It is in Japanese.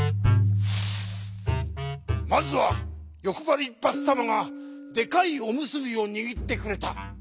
まずはよくばりばさまがでかいおむすびをにぎってくれた。